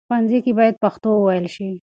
ښوونځي کې بايد پښتو وويل شي.